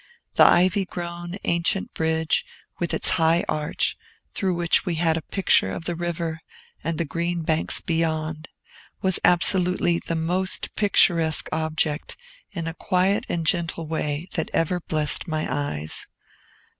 The ivy grown, ancient bridge, with its high arch, through which we had a picture of the river and the green banks beyond, was absolutely the most picturesque object, in a quiet and gentle way, that ever blessed my eyes.